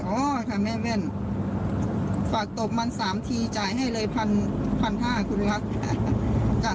โอ้ค่ะแม่เมนฝากตบมัน๓ทีจ่ายให้เลย๑๕๐๐คุณลักษณ์